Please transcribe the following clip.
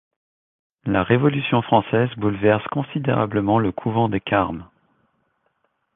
La Révolution française bouleverse considérablement le couvent des Carmes.